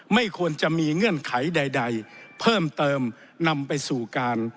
ไม่ควรจะมีเงื่อนไขใดเพิ่มเติมนำไปสู่การ